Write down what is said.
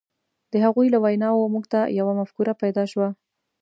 د هغوی له ویناوو موږ ته یوه مفکوره پیدا شوه.